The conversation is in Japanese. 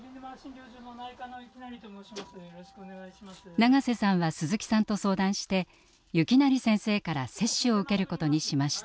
長瀬さんは鈴木さんと相談して行形先生から接種を受けることにしました。